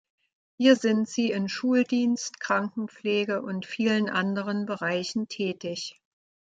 Hier sind sie in Schuldienst, Krankenpflege und vielen anderen Bereichen tätig.